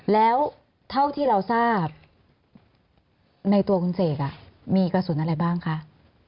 แล้วเท่าที่เราทราบในตัวคุณเสกมีกระสุนอะไรบ้างคะ